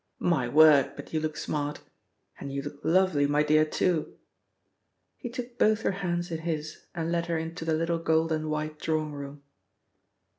"My word, but you look smart! And you look lovely, my dear, too!" He took both her hands in his and led her into the little gold and white drawing room.